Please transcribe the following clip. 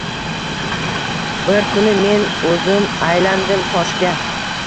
Bir kuni men o’zim aylandim toshga.